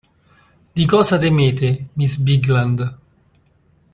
Di che cosa temete, miss Bigland?